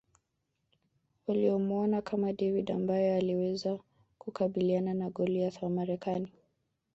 Walimuona kama David ambaye aliweza kukabiliana na Goliath wa Marekani